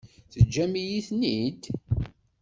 Teǧǧam-iyi-ten-id?